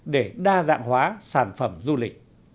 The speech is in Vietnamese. để đa dạng hóa sản phẩm du lịch